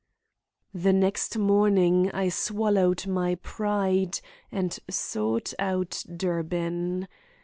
The next morning I swallowed my pride and sought out Durbin.